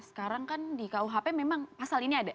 sekarang kan di kuhp memang pasal ini ada